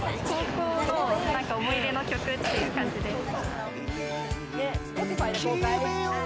高校の思い出の曲っていう感じです。